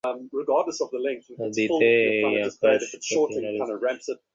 আদিতে এই আকাশ গতিহীন অবস্থায় ছিল।